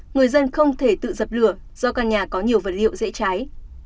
người dân không thể tự dập lửa do căn nhà có nhiều vật liệu dễ cháy